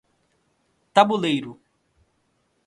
Tabuleiro